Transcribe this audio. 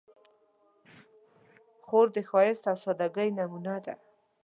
خور د ښایست او سادګۍ نمونه ده.